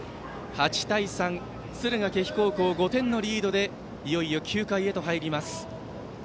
８対３、敦賀気比高校が５点のリードでいよいよ９回へと入ります。